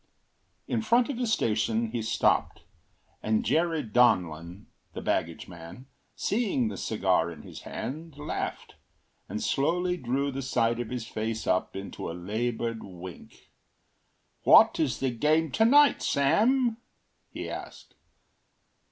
In front of the station he stopped; and Jerry Donlin, the baggage man, seeing the cigar in his hand, laughed, and slowly drew the side of his face up into a laboured wink. “What is the game to night, Sam?” he asked.